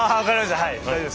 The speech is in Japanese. はい大丈夫です。